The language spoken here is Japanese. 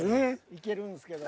いけるんですけど。